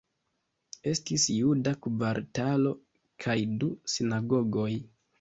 Estis juda kvartalo kaj du sinagogoj.